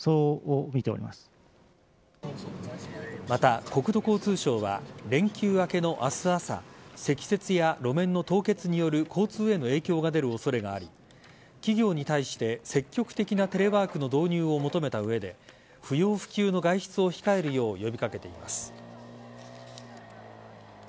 また、国土交通省は連休明けの明日朝積雪や路面の凍結による交通への影響が出る恐れがあり企業に対して積極的なテレワークの導入を求めた上で不要不急の外出を控えるよう呼び掛けています。